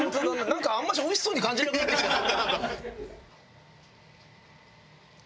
なんかあんましおいしそうに感じなくなってきたな。